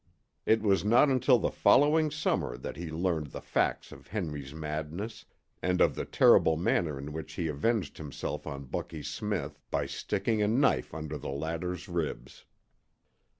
It was not until the following summer that he learned the facts of Henry's madness, and of the terrible manner in which he avenged himself on Bucky Smith by sticking a knife under the latter's ribs.